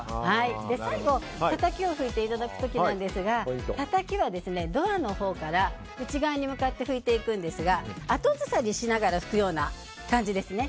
最後、たたきを拭いていただく時たたきはドアのほうから内側に向かって拭いていくんですが後ずさりしながら拭くような感じですね。